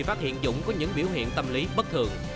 báo thiện dũng có những biểu hiện tâm lý bất thường